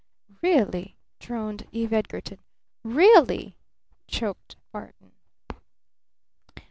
"Really?" droned Eve Edgarton. "Really!" choked Barton.